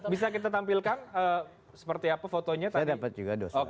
bisa kita tampilkan seperti apa fotonya tadi